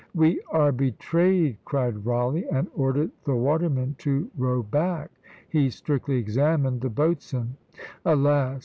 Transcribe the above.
"We are betrayed!" cried Rawleigh, and ordered the watermen to row back: he strictly examined the boatswain; alas!